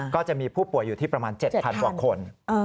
ก็จะมีผู้ป่วยอยู่ที่ประมาณ๗๐๐กว่าคน